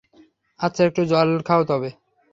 আচ্ছা, একটু জল খাও তবে।